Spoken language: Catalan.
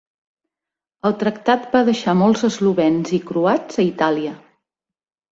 El tractat va deixar molts eslovens i croats a Itàlia.